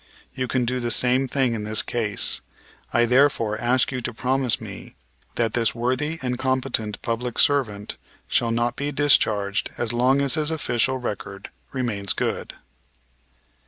You can do the same thing in this case. I therefore ask you to promise me that this worthy and competent public servant shall not be discharged as long as his official record remains good."